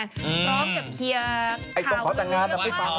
ร้องกับเฮียข่าวต้องขอต่างานแต่ไม่ฟังแล้ว